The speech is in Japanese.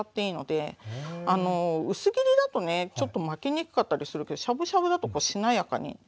薄切りだとねちょっと巻きにくかったりするけどしゃぶしゃぶだとこうしなやかになるので。